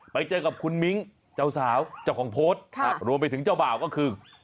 ไปเจอกับคุณมิ้งเจ้าสาวเจ้าของโพสต์รวมไปถึงเจ้าบ่าวก็คือ